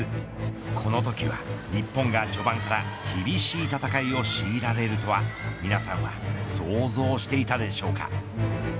このときは、日本が序盤から厳しい戦いを強いられるとはみなさんは想像していたでしょうか。